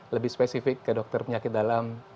lebih spesifik ke dokter penyakit dalam